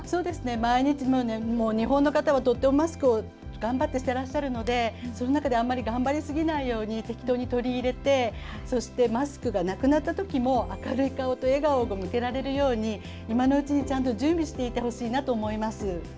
毎日、日本の方はとてもマスクを頑張って着けていらっしゃいますのでその中で、あまり頑張りすぎないように取り入れてマスクがなくなったときも明るい顔と笑顔が向けられるように今のうちに準備しておいてほしいなと思います。